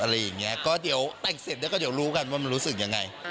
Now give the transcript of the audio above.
แต่เกิดแต่งเสร็จแล้วก็รู้กันว่ามันรู้สึกยังไง